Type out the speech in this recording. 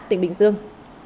tỉnh bình dương